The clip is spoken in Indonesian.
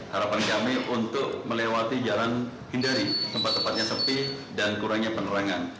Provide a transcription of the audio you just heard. harapan kami untuk melewati jalan hindari tempat tempatnya sepi dan kurangnya penerangan